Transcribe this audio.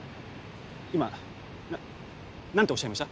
今な何とおっしゃいました？